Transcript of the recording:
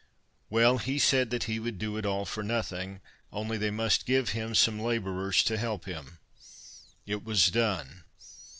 Well, he said that he would do it all for nothing, only they must give him some labourers to help him. It was done.